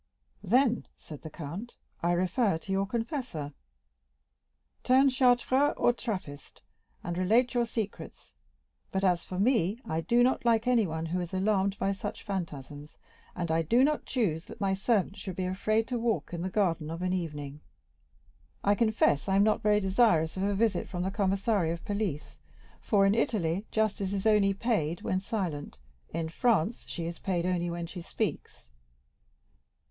"Then," said the count, "I refer you to your confessor. Turn Chartreux or Trappist, and relate your secrets, but, as for me, I do not like anyone who is alarmed by such phantasms, and I do not choose that my servants should be afraid to walk in the garden of an evening. I confess I am not very desirous of a visit from the commissary of police, for, in Italy, justice is only paid when silent—in France she is paid only when she speaks.